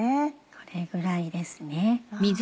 これぐらいですね。